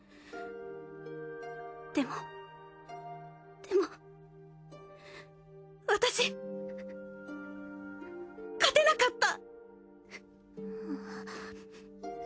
でもでも私勝てなかった！